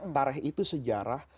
tareh itu sejarah